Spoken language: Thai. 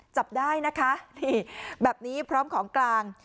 จับได้นะคะนี่แบบนี้พร้อมของกลาง